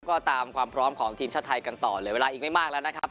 ก็ตามความพร้อมของทีมชาติไทยกันต่อเลยเวลาอีกไม่มากแล้วนะครับ